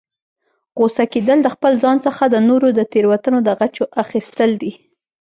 غوسه کیدل، د خپل ځان څخه د نورو د تیروتنو د غچ اخستل دي